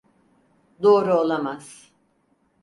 Doğru olamaz.